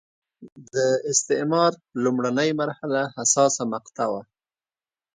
د استعمار لومړنۍ مرحله حساسه مقطعه وه.